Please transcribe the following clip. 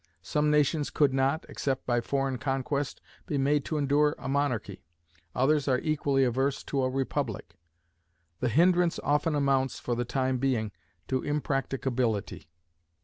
Some nations could not, except by foreign conquest, be made to endure a monarchy; others are equally averse to a republic. The hindrance often amounts, for the time being, to impracticability.